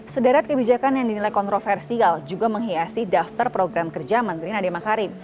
sederet kebijakan yang dinilai kontroversial juga menghiasi daftar program kerja menteri nadiem makarim